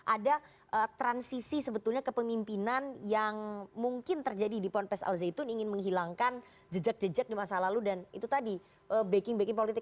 ada transisi sebetulnya kepemimpinan yang mungkin terjadi di ponpes al zaitun ingin menghilangkan jejak jejak di masa lalu dan itu tadi backing backing politik